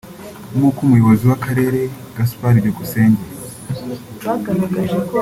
nk’uko Umuyobozi w’akarere Gaspard Byukusenge